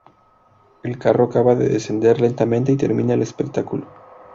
El carro acaba de descender lentamente y termina el espectáculo.